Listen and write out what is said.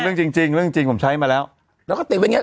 เรื่องจริงจริงเรื่องจริงจริงผมใช้มาแล้วแล้วก็ติดไว้อย่างเงี้ย